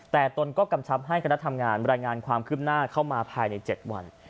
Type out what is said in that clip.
แต่ตนก็กำชับให้คณะทำงานรายงานความคืบหน้าเข้ามาภายใน๗วัน